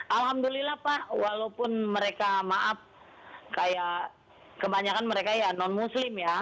alhamdulillah pak walaupun mereka maaf kayak kebanyakan mereka ya non muslim ya